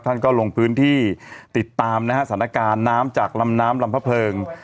ท่านก็ลงพื้นที่ติดตามนะฮะสถานการณ์น้ำจากลำน้ำลำพะเพิง